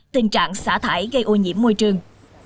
tình trạng xả thải gây ô nhiễm môi trường